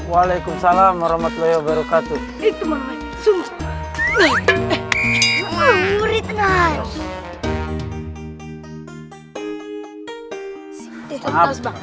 walaikum salam warahmatullahi wabarakatuh